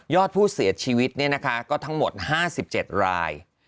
ยอดผู้เสียชีวิตเนี่ยนะคะก็ทั้งหมด๕๗ราย